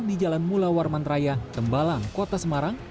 di jalan mula warman raya tembalang kota semarang